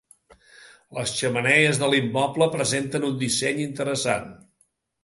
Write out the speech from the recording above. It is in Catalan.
Les xemeneies de l'immoble presenten un disseny interessant.